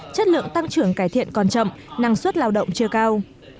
chất lượng tăng trưởng cải thiện còn chậm năng suất lao động chưa cao